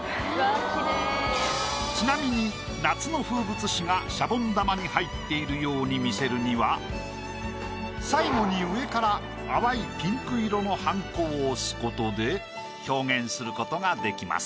ちなみに夏の風物詩がシャボン玉に入っているように見せるには最後に上から淡いピンク色のはんこを押すことで表現することができます。